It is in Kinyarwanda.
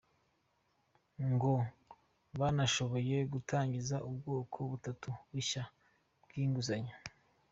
Ngo banashoboye gutangiza ubwoko butatu bushya bw’inguzanyo.